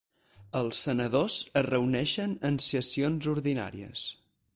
Els senadors es reuneixen en sessions ordinàries.